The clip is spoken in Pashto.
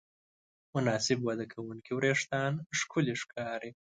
مناسب وده کوونکي وېښتيان ښکلي ښکاري.